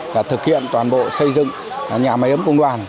là thực hiện toàn bộ xây dựng nhà máy ấm công đoàn